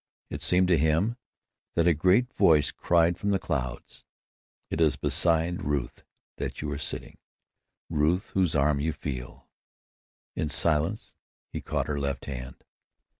It seemed to him that a great voice cried from the clouds: "It is beside Ruth that you are sitting; Ruth whose arm you feel!" In silence he caught her left hand.